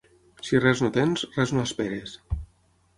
Si res no tens, res no esperis.